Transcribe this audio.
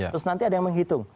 terus nanti ada yang menghitung